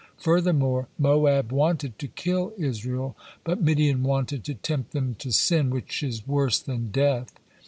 Furthermore Moab wanted to kill Israel, but Midian wanted to tempt them to sin, which is worse than death.